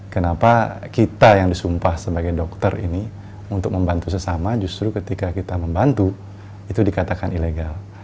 kenapa kita yang disumpah sebagai dokter ini untuk membantu sesama justru ketika kita membantu itu dikatakan ilegal